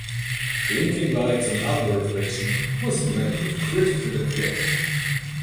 "Blinking Lights and Other Revelations" was met with critical acclaim.